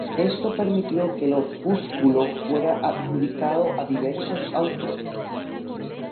Esto permitió que el opúsculo fuera adjudicado a diversos autores.